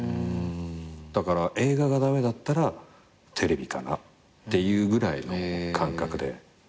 だから映画が駄目だったらテレビかなっていうぐらいの感覚で。